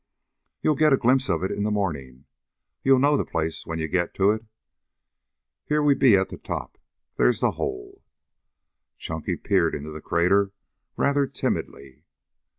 "You'll get a glimpse of it in the morning. You'll know the place when you get to it. Here we be at the top. There's the hole." Chunky peered into the crater rather timidly.